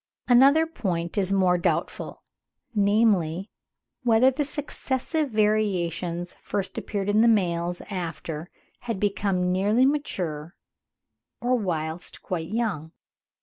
Another point is more doubtful, namely, whether the successive variations first appeared in the males after they had become nearly mature, or whilst quite young.